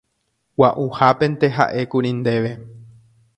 Gua'uhápente ha'ékuri ndéve.